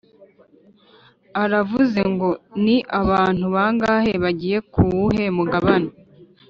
uravuze ngo ni abantu bangahe bagiye ku wuhe mugabane?